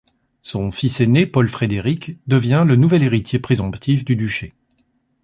Son fils aîné Paul-Frédéric devient le nouvel héritier présomptif du duché.